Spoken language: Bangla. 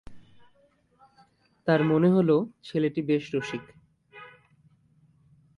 তার মনে হল, ছেলেটি বেশ রসিক।